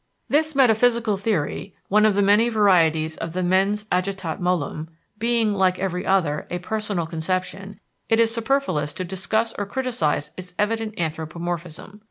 This metaphysical theory, one of the many varieties of mens agitat molem, being, like every other, a personal conception, it is superfluous to discuss or criticise its evident anthropomorphism.